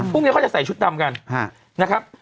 พรุ่งนี้เขาจะใส่ชุดดำกันนะครับ